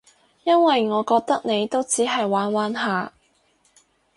因為我覺得你都只係玩玩下